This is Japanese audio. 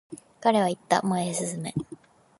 彼は言った、前へ進め。